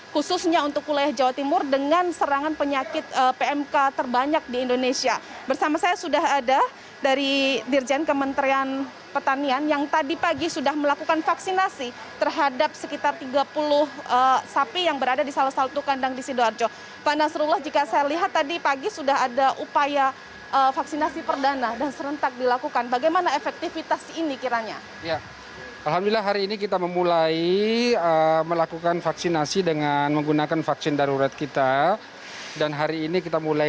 khususnya untuk kuliah jawa timur dengan serangan penyakit pmk